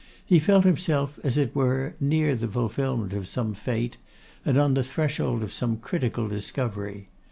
He felt himself, as it were, near the fulfilment of some fate, and on the threshold of some critical discovery.